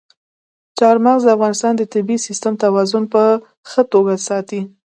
چار مغز د افغانستان د طبعي سیسټم توازن په ښه توګه ساتي.